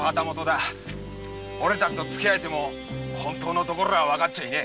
おれたちとつきあえても本当のところはわかっちゃいねえ！